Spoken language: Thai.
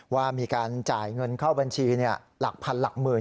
ว่ามีการจ่ายเงินเข้าบัญชีหลักพันหลักหมื่น